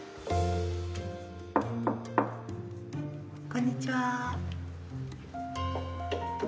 こんにちは。